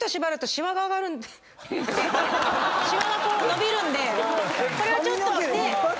しわがこうのびるんでこれはちょっとね。